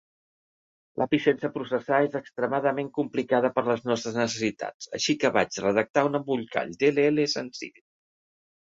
L'API sense processar és extremadament complicada per a les nostres necessitats, així que vaig redactar un embolcall DLL senzill.